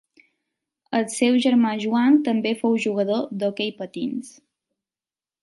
El seu germà Joan també fou jugador d'hoquei patins.